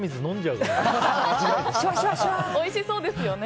おいしそうですよね。